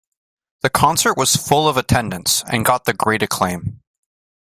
The concert was full of attendance and got the great acclaim.